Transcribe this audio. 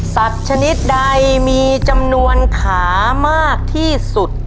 ชนิดใดมีจำนวนขามากที่สุด